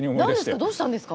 何ですか？